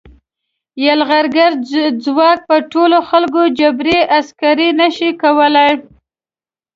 یرغلګر ځواک په ټولو خلکو جبري عسکري نه شي کولای.